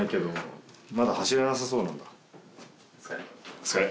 お疲れ。